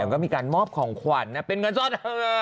ก็มีการมอบของขวัญเป็นเงินสด